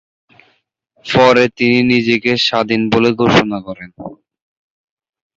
পরে তিনি নিজেকে স্বাধীন বলে ঘোষণা করেন।